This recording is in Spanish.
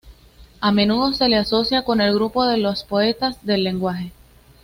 A menudo se le asocia con el grupo de los Poetas del Lenguaje.